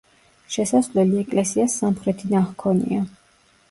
შესასვლელი ეკლესიას სამხრეთიდან ჰქონია.